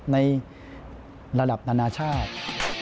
ในระดับนานาชาติ